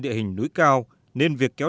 địa hình núi cao nên việc kéo